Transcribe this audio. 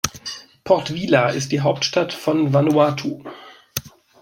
Port Vila ist die Hauptstadt von Vanuatu.